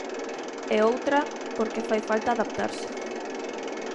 E outra, porque fai falta adaptarse.